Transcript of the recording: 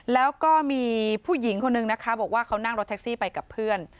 แล้วก็มีผู้หญิงคนนึงนะคะบอกว่าเขานั่งรถแท็กซี่ไปกับเพื่อน